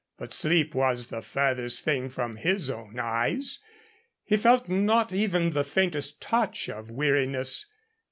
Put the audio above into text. But sleep was the furthest from his own eyes. He felt not even the faintest touch of weariness.